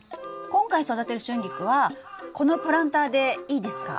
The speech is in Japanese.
今回育てるシュンギクはこのプランターでいいですか？